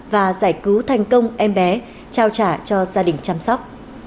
và giải cứu thành công em bé trao trả cho gia đình chăm sóc